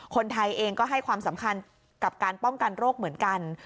คนไทยเองก็ให้ความสำคัญกับการป้องกันโรคเหมือนกัน